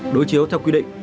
đối chiếu theo quy định